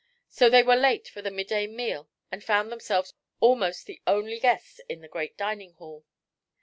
So they were late for the midday meal and found themselves almost the only guests in the great dining hall.